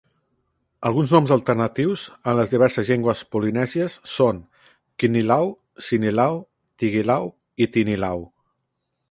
Alguns noms alternatius en les diverses llengües polinèsies són Kinilau, Sinilau, Tigilau i Tinilau.